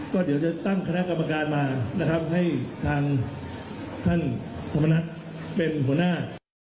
ก็เดี๋ยวจะตั้งคณะกรรมการมาให้ท่านคุณพนักเป็นหัวหน้า